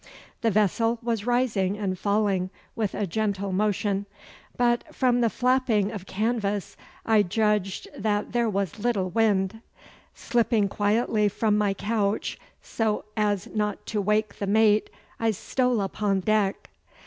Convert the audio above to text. The vessel was rising and falling with a gentle motion, but from the flapping of canvas I judged that there was little wind. Slipping quietly from my couch, so as not to wake the mate, I stole upon deck.